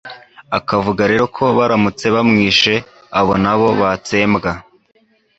akavuga rero ko baramutse bamwishe abo na bo batsembwa